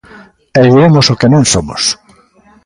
E diremos o que non somos.